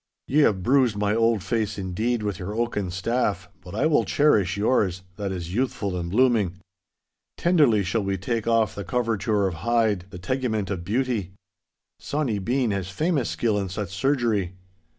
'Ye have bruised my old face indeed with your oaken staff, but I will cherish yours, that is youthful and blooming. Tenderly shall we take off the coverture of hide, the tegument of beauty. Sawny Bean has famous skill in such surgery.